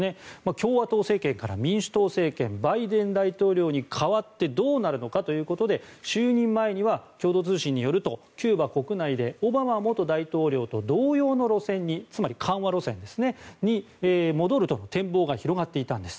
共和党政権から民主党政権バイデン大統領に代わってどうなるのかということで就任前には共同通信によるとキューバ国内でオバマ元大統領と同様の路線につまり、緩和路線ですね戻るとの展望が広がっていたんです。